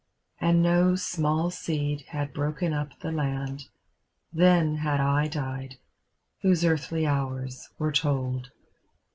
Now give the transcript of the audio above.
And no small seed had broken up the land, Then had I died, whose earthly hours were told.